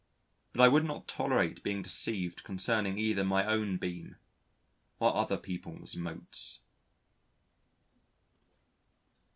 But I would not tolerate being deceived concerning either my own beam or other people's motes.